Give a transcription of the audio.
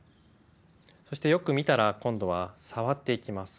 そしてよく見たら今度は触っていきます。